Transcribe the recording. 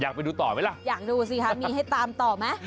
ไปดูต่อไหมล่ะอยากดูสิคะมีให้ตามต่อไหม